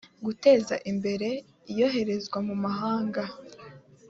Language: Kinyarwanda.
guteza imbere iyoherezwa mu mahanga